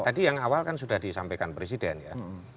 tadi yang awal kan sudah disampaikan presiden ya